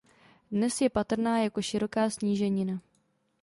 Dnes je patrná jako široká sníženina.